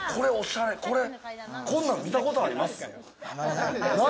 こんなん見たことあります？